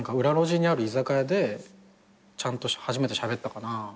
裏路地にある居酒屋でちゃんと初めてしゃべったかな。